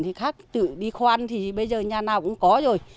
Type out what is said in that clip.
thì khác tự đi khoan thì bây giờ nhà nào cũng có rồi